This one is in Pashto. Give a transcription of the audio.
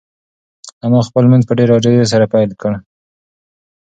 انا خپل لمونځ په ډېرې عاجزۍ سره پیل کړ.